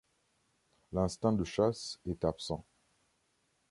L'instinct de chasse est absent.